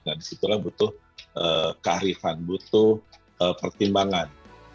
nah disitulah butuh kearifan butuh pertimbangan